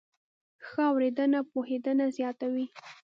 ښه اورېدنه پوهېدنه زیاتوي.